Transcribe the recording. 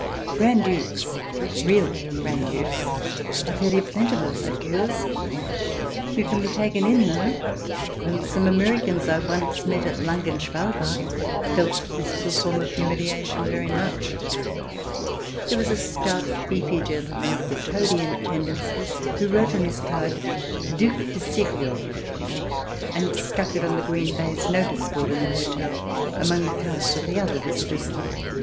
Grand Dukes — real Grand Dukes — are fairly plentiful at Cures. You can be taken in, though, and some Americans I once met at Langen Schwal bach felt this little form of humiliation very much. CH. vii] PRINCES AND PRESCRIPTIONS 99 There was a stout, beefy gentleman with a toady in attendance, who wrote on his card " Due de Sirio," and stuck it on the green baize notice board in the hotel among the cards of the other visitors.